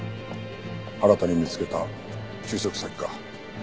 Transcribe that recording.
新たに見つけた就職先か？